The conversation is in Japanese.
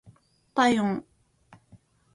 体温